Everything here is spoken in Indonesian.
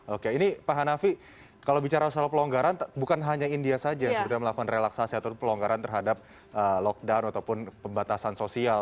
oke ini pak hanafi kalau bicara soal pelonggaran bukan hanya india saja yang sebenarnya melakukan relaksasi atau pelonggaran terhadap lockdown ataupun pembatasan sosial